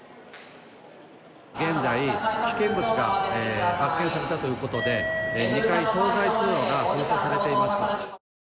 現在、危険物が発見されたということで２階東西通路が封鎖されています。